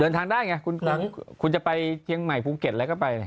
เดินทางได้ไงคุณจะไปเทียงใหม่ภูเก็ตอะไรก็ไป